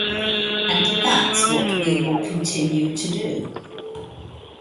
And that's what we will continue to do.